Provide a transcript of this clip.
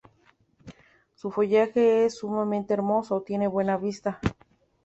Su follaje es sumamente hermoso, tiene buena vista.